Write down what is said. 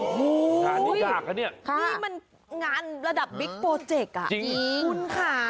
โอ้โหงานนี้ยากคะเนี่ยนี่มันงานระดับบิ๊กโปรเจกต์อ่ะคุณค่ะ